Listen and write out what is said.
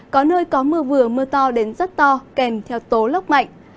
có nơi có mưa vừa mưa to đến rất to kèm theo tố lốc mạnh